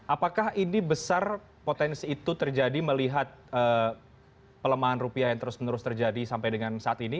apakah ini besar potensi itu terjadi melihat pelemahan rupiah yang terus menerus terjadi sampai dengan saat ini